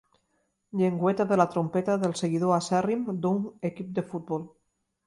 Llengüeta de la trompeta del seguidor acèrrim d'un equip de futbol.